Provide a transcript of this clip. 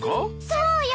そうよ！